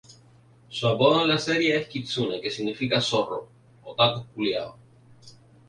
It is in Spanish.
Su apodo en la serie es Kitsune, que significa "zorro".